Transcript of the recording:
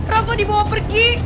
rafa dibawa pergi